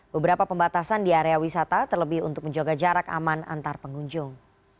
beberapa pembatasan di area wisata terlebih untuk menjaga jarak aman antar pengunjung